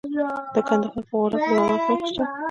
د کندهار په غورک کې د مرمرو نښې شته.